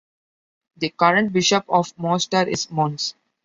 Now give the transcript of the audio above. The current bishop of Mostar is Mons.